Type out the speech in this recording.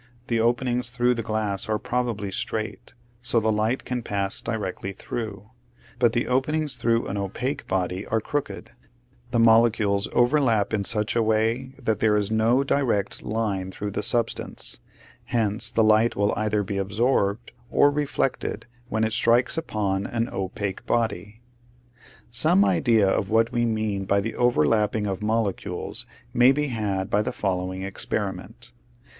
The openings through the glass are probably straight, so the light can pass directly through, but the openings through an opaque body are crooked; the molecules overlap in such a way that there ia 1 . Original from UNIVERSITY OF WISCONSIN 192 nature'* flSlraclea. no direct line through the substance, hence the light will either be absorbed or reflected when it strikes upon an opaque body. Some idea of what we mean by the over lapping of molecules may be had by the fol lowing experiment.